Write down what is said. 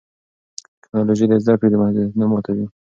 ټیکنالوژي د زده کړې محدودیتونه ماتوي.